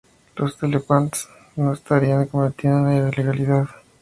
los telépatas no estarían cometiendo una ilegalidad